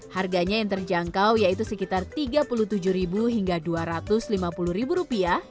harganya yang terjangkau yaitu sekitar tiga puluh tujuh hingga dua ratus lima puluh rupiah